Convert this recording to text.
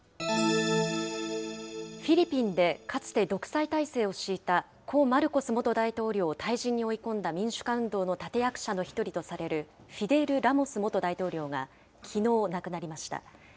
フィリピンで、かつて独裁体制を敷いた故・マルコス元大統領を退陣に追い込んだ民主化運動の立て役者の一人とされる、フィデル・ラモス元大統領がきのう、亡くなりました。